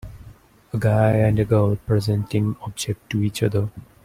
A guy and a girl presenting object to each other.